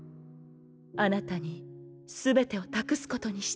あなたに全てを託すことにしたの。